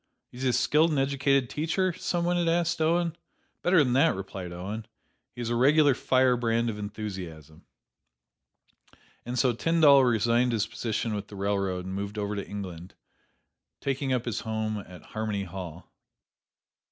"Is he a skilled and educated teacher?" some one asked Owen. "Better than that," replied Owen; "he is a regular firebrand of enthusiasm." And so Tyndall resigned his position with the railroad and moved over to England, taking up his home at "Harmony Hall."